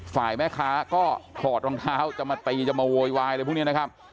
ฝ่ายแม่ค้าก็ถอดรองเท้าจะมาตีจะมาโวยวายอะไรพวกนี้นะครับ